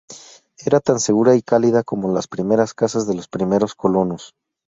Era tan segura y cálida como las primeras casas de los primeros colonos.